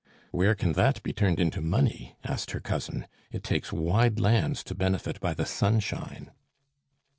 "Where can that be turned into money?" asked her cousin. "It takes wide lands to benefit by the sunshine."